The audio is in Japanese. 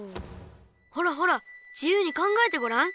ほらほら自由に考えてごらん。